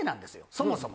そもそも。